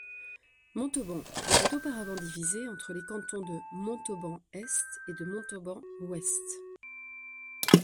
Montauban était auparavant divisée entre les cantons de Montauban-Est et de Montauban-Ouest.